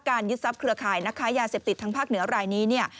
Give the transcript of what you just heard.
ยึดทรัพย์เครือข่ายนักค้ายาเสพติดทางภาคเหนือรายนี้เนี่ย